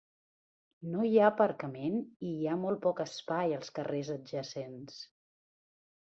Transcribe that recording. No hi ha aparcament i hi ha molt poc espai als carrers adjacents.